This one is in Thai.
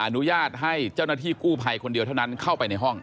อนุญาตให้เจ้าหน้าที่กู้ภัยคนเดียวเท่านั้นเข้าไปในห้อง